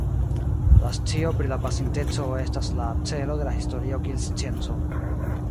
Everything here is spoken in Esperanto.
La scio pri la pasinteco estas la celo de la historio kiel scienco.